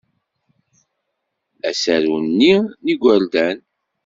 Asaru-nni n yigerdan.